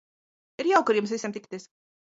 Ir jauki ar jums visiem tikties.